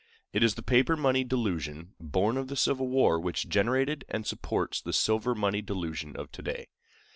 It is the paper money delusion born of the civil war which generated and supports the silver money delusion of to day.